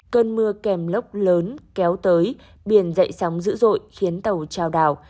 cơn mưa kèm lốc lớn kéo tới biển dậy sóng dữ dội khiến tàu trao đảo